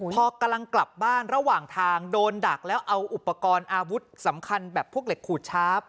พอกำลังกลับบ้านระหว่างทางโดนดักแล้วเอาอุปกรณ์อาวุธสำคัญแบบพวกเหล็กขูดชาร์ฟ